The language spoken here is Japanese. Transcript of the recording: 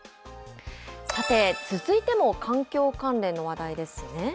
さて、続いても環境関連の話題ですよね。